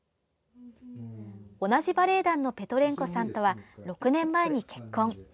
同じバレエ団のペトレンコさんとは６年前に結婚。